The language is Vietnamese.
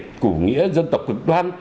rồi vấn đề củ nghĩa dân tộc cực đoan